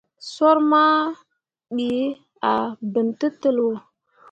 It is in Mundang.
Soor mah ɓii ah bem tǝtǝlliwo.